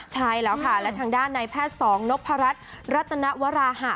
ใช่แล้วค่ะและทางด้านในแพทย์สองนพรัชรัตนวราหะ